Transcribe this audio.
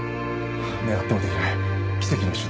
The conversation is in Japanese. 狙っても出来ない奇跡の一瞬だ。